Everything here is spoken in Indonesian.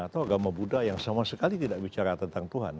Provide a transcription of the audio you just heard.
atau agama buddha yang sama sekali tidak bicara tentang tuhan